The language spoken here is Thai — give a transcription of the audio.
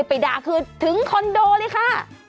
เธอก็เลยไปด่าคือถึงคอนโดเลยค่ะ